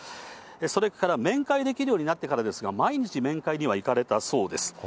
それから面会できるようになってからですが、毎日面会には行かれたそうです。